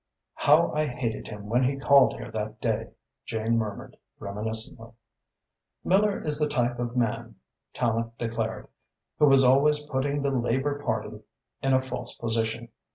"How I hated him when he called here that day! Jane murmured reminiscently." "Miller is the type of man," Tallente declared, "who was always putting the Labour Party in a false position.